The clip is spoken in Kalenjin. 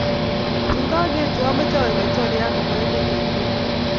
Tun kokaetu amache aek laitoriat nebo emet ab Kenya